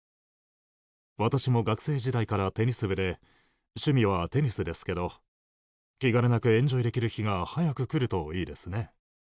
私も学生時代からテニス部で趣味はテニスですけど気兼ねなくエンジョイできる日が早くくるといいですね。